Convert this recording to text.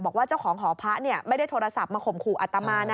บอกว่าเจ้าของหอพักษณ์ไม่ได้โทรศัพท์มาข่มครูอัตตามา